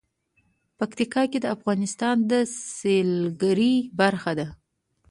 پکتیکا د افغانستان د سیلګرۍ برخه ده.